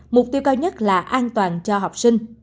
mục tiêu cao nhất là an toàn cho học sinh